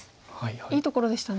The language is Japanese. いいところでしたね。